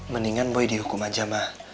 mendingan boy dihukum aja mah